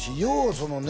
そのね